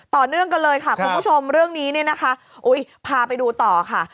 ต่อเนื่องกันเลยค่ะคุณผู้ชมเรื่องนี้เนี่ยนะคะพาไปดูต่อค่ะ